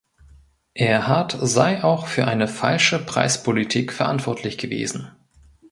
Erhard sei auch für eine falsche Preispolitik verantwortlich gewesen.